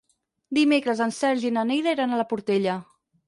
Dimecres en Sergi i na Neida iran a la Portella.